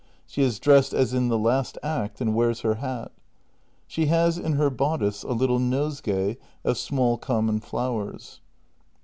She is dressed as in the last act, and wears her hat. She has in her bodice a little nosegay of small common flowers.